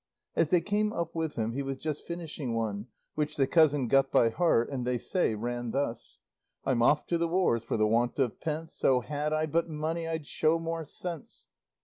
As they came up with him he was just finishing one, which the cousin got by heart and they say ran thus I'm off to the wars For the want of pence, Oh, had I but money I'd show more sense.